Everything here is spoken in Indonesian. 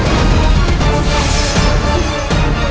aku akan mencari dia